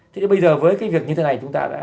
thế bây giờ với việc như thế này